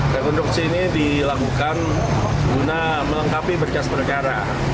rekonstruksi ini dilakukan guna melengkapi berkas perkara